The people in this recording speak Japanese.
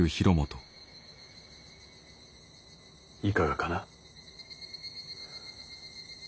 いかがかな。